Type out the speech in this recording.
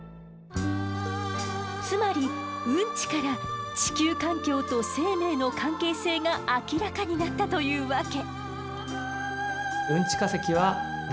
つまりウンチから地球環境と生命の関係性が明らかになったというわけ。